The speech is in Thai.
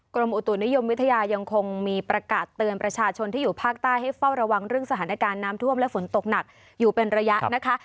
กรมอุตุนิยมวิทยายังคงมีประกาศเตือนประชาชนที่อยู่ภาคใต้ให้เฝ้าระวังเรื่องสถานการณ์น้ำท่วมและฝนตกหนักอยู่เป็นระยะนะคะ